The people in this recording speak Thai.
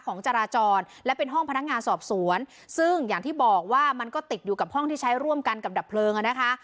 ของจราจรและเป็นห้องพนักงานสอบสวนซึ่งอย่างที่บอกว่ามันก็ติดอยู่กับห้องที่ใช้ร่วมกันกับดับเพลิงอ่ะนะคะ